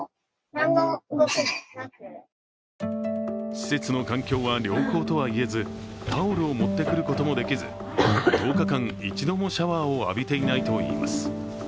施設の環境は良好とは言えず、タオルを持ってくることもできず、１０日間、一度もシャワーを浴びていないといいます。